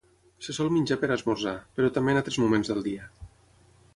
Se sol menjar per esmorzar, però també en altres moments del dia.